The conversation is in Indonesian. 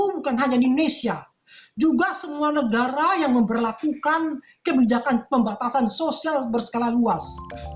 bukan hanya di indonesia juga semua negara yang memperlakukan kebijakan pembatasan sosial berskala luas